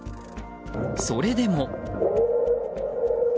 それでも。